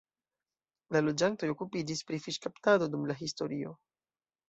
La loĝantoj okupiĝis pri fiŝkaptado dum la historio.